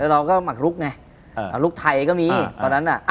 แล้วเราก็หมักลุกไงอ่าลุกไทยก็มีอ่าตอนนั้นน่ะอ่า